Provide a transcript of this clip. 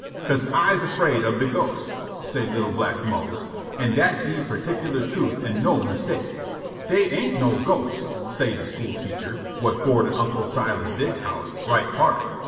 "'Ca'se I's afraid ob de ghosts," say' li'l' black Mose, an' dat de particular truth an' no mistake. "Dey ain't no ghosts," say' de school teacher, whut board at Unc' Silas Diggs's house, right peart.